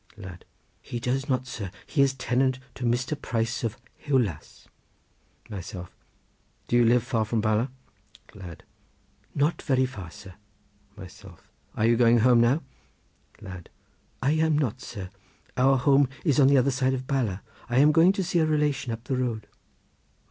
Lad.—He does not, sir; he is tenant to Mr. Price of Hiwlas. Myself.—Do you live far from Bala? Lad.—Not very far, sir. Myself.—Are you going home now? Lad.—I am not, sir; our home is on the other side of Bala. I am going to see a relation up the road.